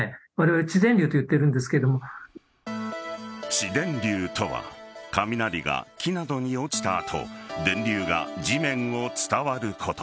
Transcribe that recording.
地電流とは雷が木などに落ちた後電流が地面を伝わること。